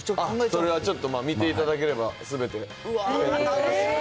それはちょっと、見ていただければすべて。